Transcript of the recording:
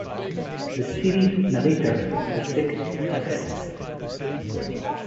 The series' narrator was Dick Tufeld.